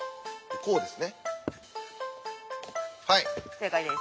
正解です。